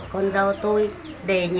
con dâu tôi để nhiều con rồi